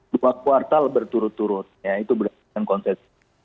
dua kuartal berturut turut itu berdasarkan konsep